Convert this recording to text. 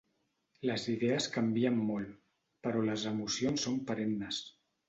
Les idees canvien molt, però les emocions són perennes.